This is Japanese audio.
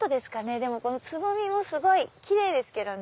でもこのつぼみもすごいキレイですけどね。